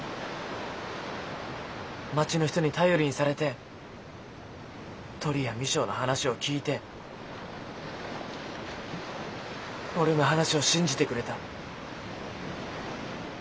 町の人に頼りにされてトリや未章の話を聞いて俺の話を信じてくれた。